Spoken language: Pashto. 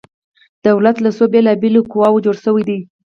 دولت له څو بیلا بیلو قواو جوړ شوی دی؟